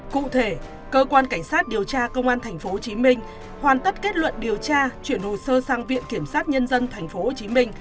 cụ thể cơ quan cảnh sát điều tra công an tp hcm hoàn tất kết luận điều tra chuyển hồ sơ sang viện kiểm sát nhân dân tp hcm